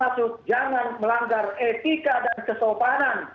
maksud jangan melanggar etika dan kesopanan